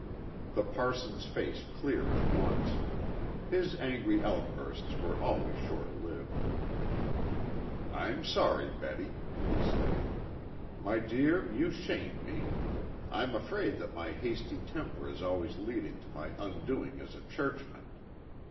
The parson's face cleared at once. His angry outbursts were always short lived. "I'm sorry, Betty," he said. "My dear, you shame me. I'm afraid that my hasty temper is always leading to my undoing as a churchman."